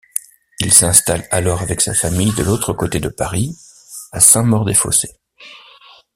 Il s’installe alors avec sa famille de l’autre côté de Paris, à Saint-Maur-des-Fossés.